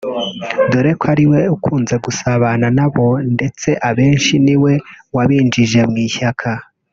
dore ko ari we ukunze gusabana na bo ndetse abenshi ni we wabinjije mu ishyaka